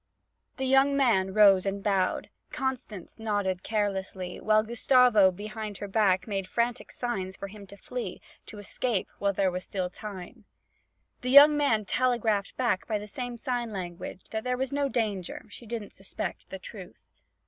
The young man rose and bowed; Constance nodded carelessly, while Gustavo behind her back made frantic signs for him to flee, to escape while still there was time. The young man telegraphed back by the same sign language that there was no danger; she didn't suspect the truth.